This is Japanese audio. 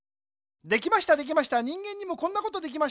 できましたできました人間にもこんなことできました。